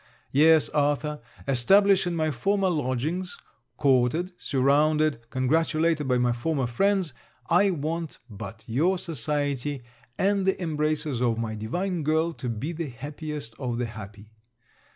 Yes, Arthur, established in my former lodgings, courted, surrounded, congratulated by my former friends, I want but your society and the embraces of my divine girl to be the happiest of the happy.